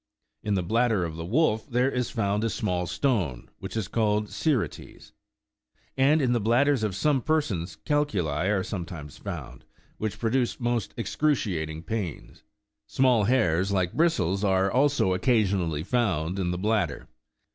In the bladder of the wolf there is found a small stone, which is called " syrites ;" and in the bladders of some persons calculi are sometimes found, which produce most excruciating pains ; small hairs, like bristles, are also occasionally found in the bladder.